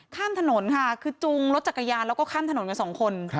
ข้ามถนนค่ะคือจุงรถจักรยานแล้วก็ข้ามถนนกันสองคน